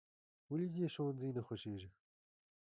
"ولې دې ښوونځی نه خوښېږي؟"